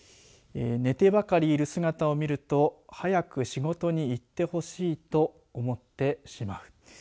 寝てばかりいる姿を見ると早く仕事に行ってほしいと思ってしまう。